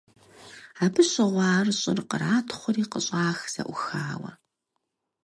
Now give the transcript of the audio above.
Абы щыгъуэ ар щӀыр къратхъури къыщӀах зэӀухауэ.